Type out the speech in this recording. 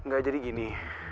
gak jadi gini